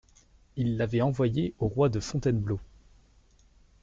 Il l'avait envoyée au roi de Fontainebleau.